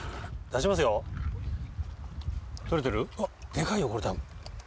でかいよこれ多分。